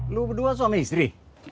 lu berdua suami istri